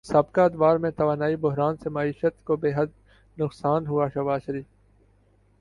سابقہ ادوار میں توانائی بحران سے معیشت کو بیحد نقصان ہوا شہباز شریف